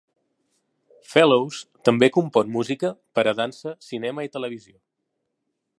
Fellows també compon música per a dansa, cinema i televisió.